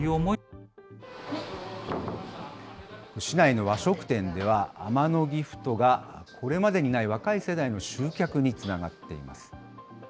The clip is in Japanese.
市内の和食店では、アマノギフトが、これまでにない若い世代の集客につながっています。